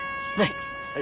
はい。